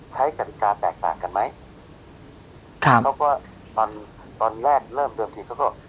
กฎิกาแตกต่างกันไหมครับเขาก็ตอนตอนแรกเริ่มเดิมทีเขาก็